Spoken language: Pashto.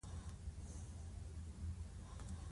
د فراه په قلعه کاه کې د وسپنې نښې شته.